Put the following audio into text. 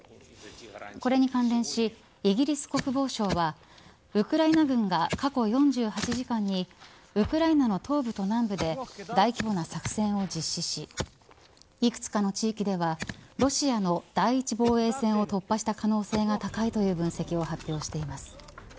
これに関連し、イギリス国防省はウクライナ軍が過去４８時間にウクライナの東部と南部で大規模な作戦を実施し幾つかの地域ではロシアの第１防衛線を突破した可能性が高いとの分析を発表しています。